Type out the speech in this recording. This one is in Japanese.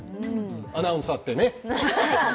アナウンサーってね！